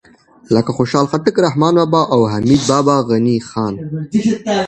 لکه خوشحال خټک، رحمان بابا او حمید بابا، غني خان